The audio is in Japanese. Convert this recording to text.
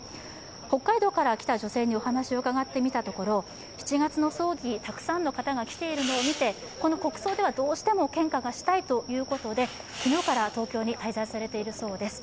北海道から来た女性にお話を伺ってみたところ７月の葬儀、たくさんの方が来ているのを見て、この国葬ではどうしても献花がしたいということで昨日から東京に滞在されているようです。